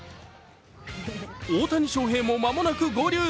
大谷翔平も間もなく合流。